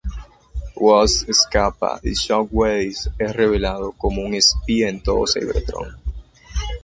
Wasp escapa y Shockwave es revelado como un espía en todo Cybertron.